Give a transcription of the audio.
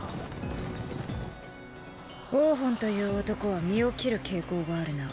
王賁という男は身を切る傾向があるな。